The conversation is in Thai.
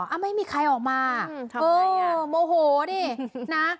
อ่ะไม่มีใครออกมาอืมทำไงอ่ะโอ้โหนี่นะ